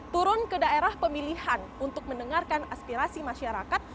turun ke daerah pemilihan untuk mendengarkan aspirasi masyarakat